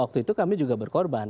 waktu itu kami juga berkorban